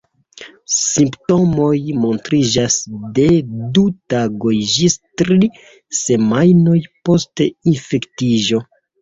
Simptomoj montriĝas de du tagoj ĝis tri semajnoj post infektiĝo.